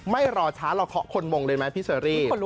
ไม่รอช้าเราเคาะคนมงเลยไหมพี่เชอรี่